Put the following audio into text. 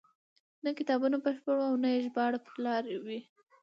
نه کتابونه بشپړ وو او نه یې ژباړې پر لار وې.